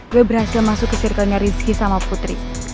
gue berhasil masuk ke sirkulnya rizky sama putri